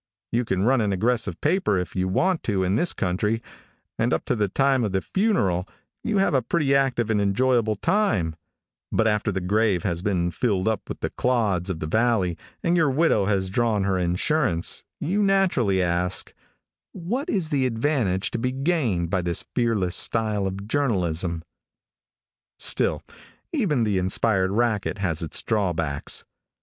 You can run an aggressive paper if you want to in this country, and up to the time of the funeral you have a pretty active and enjoyable time, but after the grave has been filled up with the clods of the valley and your widow has drawn her insurance, you naturally ask, "What is the advantage to be gained by this fearless style of journalism?" Still, even the inspired racket has its drawbacks.